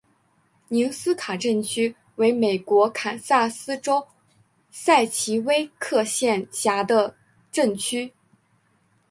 宁斯卡镇区为美国堪萨斯州塞奇威克县辖下的镇区。